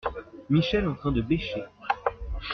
Michel en train de bêcher.